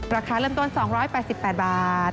ราคาเริ่มต้น๒๘๘บาท